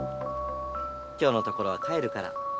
今日のところは帰るから。